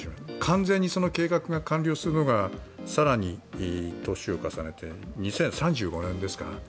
完全にその計画が完了するのが更に年を重ねて２０３５年ですか。